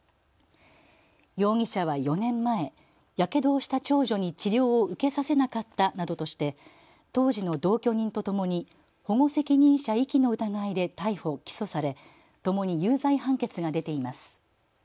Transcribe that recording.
容疑者は４年前、やけどをした長女に治療を受けさせなかったなどとして当時の同居人とともに保護責任者遺棄の疑いで逮捕・起訴されともに有罪判決が出ています。